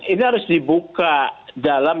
ini harus dibuka dalam